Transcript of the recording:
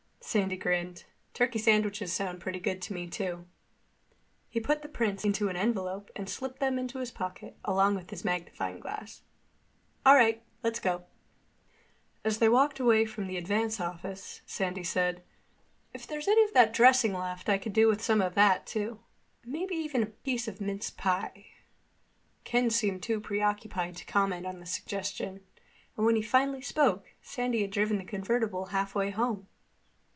Sandy grinned. "Turkey sandwiches sound pretty good to me too." He put the prints into an envelope and slipped them into his pocket, along with his magnifying glass. "All right. Let's go." As they walked away from the Advance office Sandy said, "If there's any of the dressing left I could do with some of that too. And maybe even a piece of mince pie." Ken seemed too preoccupied to comment on the suggestion, and when he finally spoke, Sandy had driven the convertible halfway home.